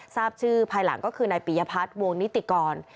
ทราบชื่อภายหลังก็คือนายปียพัฒน์วงนิติกร